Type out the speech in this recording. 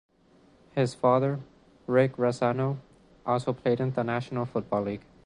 His father, Rick Razzano, also played in the National Football League.